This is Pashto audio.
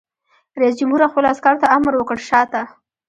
رئیس جمهور خپلو عسکرو ته امر وکړ؛ شاته!